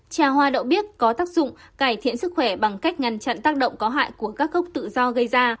trà hoa đậu biết có tác dụng cải thiện sức khỏe bằng cách ngăn chặn tác động có hại của các gốc tự do gây ra